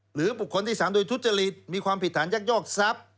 บุคคลที่๓โดยทุจริตมีความผิดฐานยักยอกทรัพย์